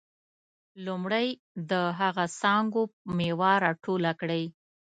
لومړی د هغه څانګو میوه راټوله کړئ.